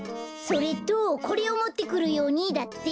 それとこれをもってくるようにだって。